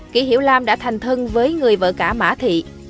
kỷ hiểu lam đã thành thân với người vợ cả mã thị